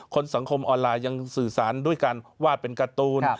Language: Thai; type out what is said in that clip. สังคมออนไลน์ยังสื่อสารด้วยการวาดเป็นการ์ตูน